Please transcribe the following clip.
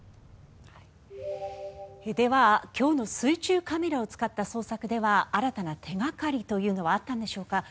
では今日の水中カメラを使った捜索では新たな手掛かりというのはあったんでしょうか。